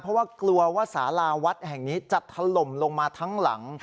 เพราะว่ากลัวว่าสาราวัดแห่งนี้จะถล่มลงมาทั้งหลัง